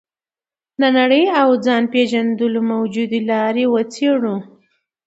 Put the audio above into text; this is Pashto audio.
د نړۍ او ځان پېژندلو موجودې لارې وڅېړو.